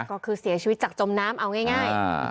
ก็คือเสียชีวิตจากจมน้ำเอาง่าย